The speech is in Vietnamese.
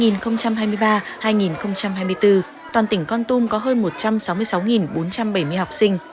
năm học hai nghìn hai mươi ba hai nghìn hai mươi bốn toàn tỉnh con tum có hơn một trăm sáu mươi sáu bốn trăm bảy mươi học sinh